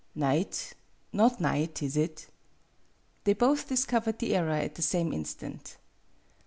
"Night! Not night, is it?" They both discovered the error at the same instant.